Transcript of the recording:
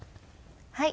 はい。